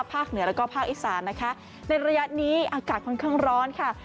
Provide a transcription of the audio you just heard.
เหนือแล้วก็ภาคอีสานนะคะในระยะนี้อากาศค่อนข้างร้อนค่ะ